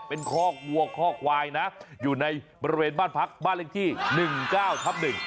เป็นคอกวัวคอกควายนะอยู่ในบริเวณบ้านพักบ้านเลขที่๑๙ทับ๑